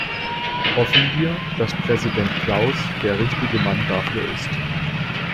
Hoffen wir, dass Präsident Klaus der richtige Mann dafür ist.